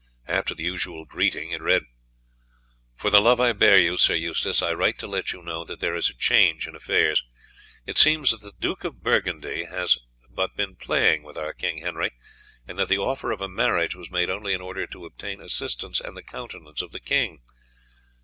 After the usual greeting it read: _For the love I bear you, Sir Eustace, I write to let you know that there is a change in affairs. It seems that the Duke of Burgundy has but been playing with our King Henry, and that the offer of a marriage was made only in order to obtain assistance and the countenance of the king.